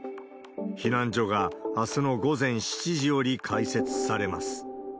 避難所があすの午前７時より開設されます。